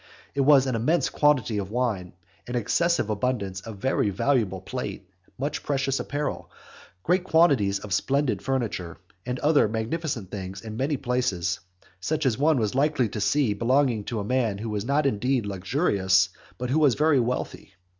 There was an immense quantity of wine, an excessive abundance of very valuable plate, much precious apparel, great quantities of splendid furniture, and other magnificent things in many places, such as one was likely to see belonging to a man who was not indeed luxurious, but who was very wealthy.